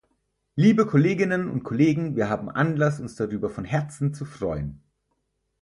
Liebe Kolleginnen und Kollegen, wir haben Anlass, uns darüber von Herzen zu freuen.